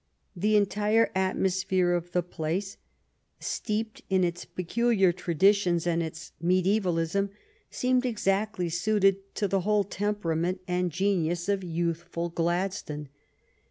The entire at mosphere of the place, steeped in its peculiar traditions and its mediaevalism, seemed exactly suited to the whole temperament and genius of ETON AND OXFORD \^ the youthful Gladstone.